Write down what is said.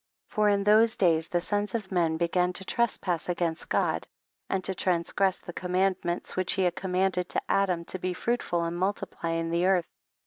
19. For in those days the sons of men began to trespass against Cxod, and to transgress the commandments which he had commanded to Adam, to be fruitful and multiply in the earth.